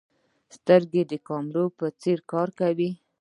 سترګې د کیمرې په څېر کار کوي.